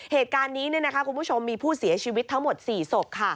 เหตุการณ์นี้คุณผู้ชมมีผู้เสียชีวิตทั้งหมด๔ศพ